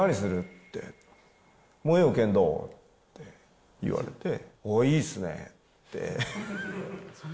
って、燃えよ剣どう？って言われて、ああ、いいっすねって。